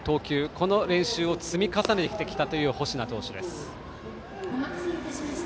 この練習を積み重ねてきた星名投手です。